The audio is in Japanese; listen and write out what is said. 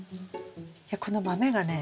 いやこの豆がね